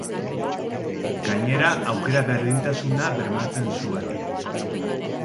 Gainera aukera berdintasuna bermatzen zuen.